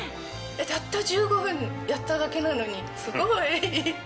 たった１５分やっただけなのにすごい！